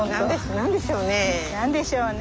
何でしょうねえ？